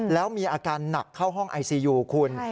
แล้วมีอาการหนักเข้าห้องไอซียูคุณ